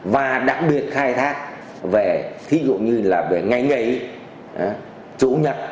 và đặc biệt khai thác về thí dụ như là về ngày ngày chủ nhật